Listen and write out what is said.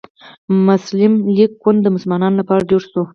مسلم لیګ ګوند د مسلمانانو لپاره جوړ شو.